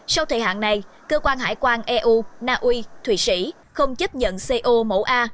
sau thời hạn này cơ quan hải quan eu naui thụy sĩ không chấp nhận co mẫu a